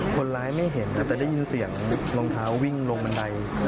คนร้ายไม่เห็นครับแต่ได้ยินเสียงรองเท้าวิ่งลงบันได